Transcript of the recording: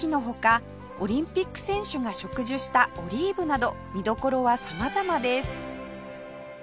オリンピック選手が植樹したオリーブなど見どころは様々です